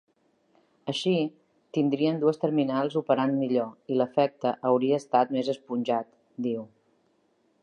Així tindríem dues terminals operant millor i l’efecte hauria estat més esponjat, diu.